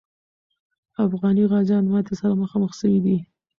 افغاني غازیان ماتي سره مخامخ سوي دي.